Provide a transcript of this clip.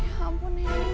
ya ampun neneng